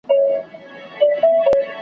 نن به دي اوښکي پاکوم سبا به دواړه ورځو .